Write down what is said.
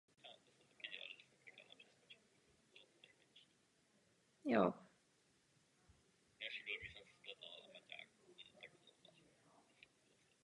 Kališní lístky jsou srostlé nebo až v bázi volné.